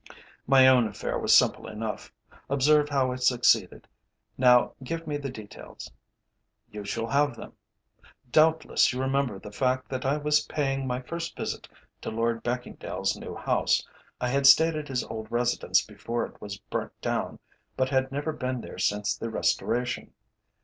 "My own affair was simple enough. Observe how it succeeded. Now give me the details." "You shall have them. Doubtless you remember the fact that I was paying my first visit to Lord Beckingdale's new house. I had stayed at his old residence before it was burnt down, but had never been there since the restoration.